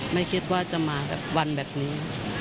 ไม่คิดว่าจะมาแบบวันแบบนี้